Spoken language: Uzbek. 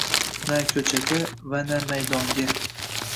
Na koʻchaga va na maydonga –